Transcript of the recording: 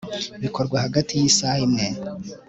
bikorwa hagati yisaha imwe